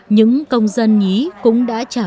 những công dân nhí cũng đã chăm chỉ